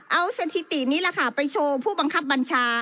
เอาสถิตินี้แหละค่ะไปโชว์ผู้บังคับบัญชา